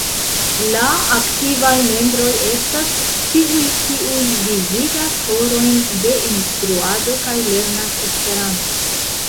La aktivaj membroj estas tiuj, kiuj vizitas horojn de instruado kaj lernas Esperanton.